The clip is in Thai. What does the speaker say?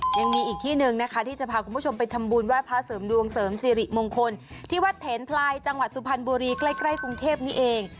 ยังมีอีกที่หนึ่งนะคะที่จะพาคุณผู้ชมไปทำบุญไหว้พระเสริมดวงเสริมสิริมงคลที่วัดเถนพลายจังหวัดสุพรรณบุรีใกล้กรุงเทพนี้เอง